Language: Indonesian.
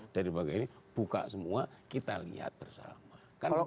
dari berbagai ini buka semua kita lihat bersama